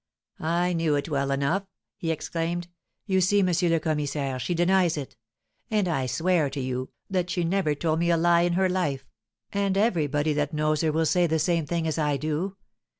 "I knew it well enough!" he exclaimed. "You see, M. le Commissaire, she denies it; and I swear to you, that she never told me a lie in her life; and everybody that knows her will say the same thing as I do.